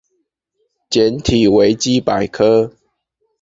簡體維基百科